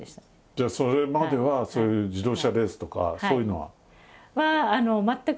じゃあそれまではそういう自動車レースとかそういうのは。